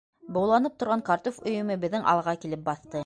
Быуланып торған картуф өйөмө беҙҙең алға килеп баҫты.